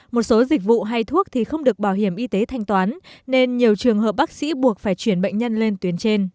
một số dịch vụ hay thuốc thì không được bảo hiểm y tế thanh toán nên nhiều trường hợp bác sĩ buộc phải chuyển bệnh nhân lên tuyến trên